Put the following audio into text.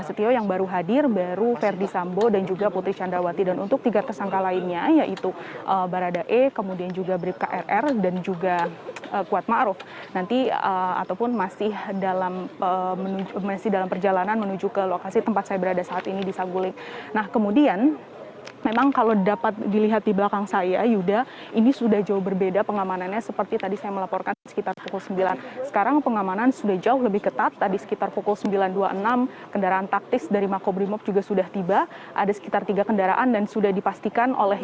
saya menggunakan kata kata yang sudah saya lakukan dan saya menggunakan kata kata yang sudah saya lakukan